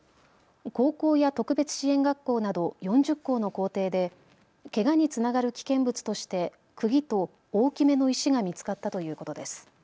高校や特別支援学校など４０校の校庭でけがにつながる危険物としてくぎと大きめの石が見つかったということです。